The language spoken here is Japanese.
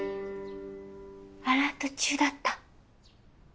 アラート中だった。